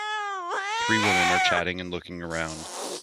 Three women are chatting and looking around.